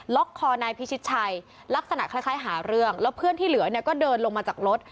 คอนายพิชิตชัยลักษณะคล้ายหาเรื่องแล้วเพื่อนที่เหลือเนี่ยก็เดินลงมาจากรถ